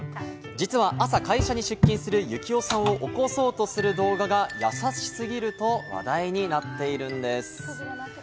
実は朝、会社に出勤する幸男さんを起こそうとする動画が優し過ぎると話題になっているんです。